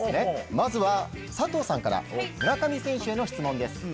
まずは佐藤さんから村上選手への質問です。